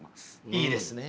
いいですね。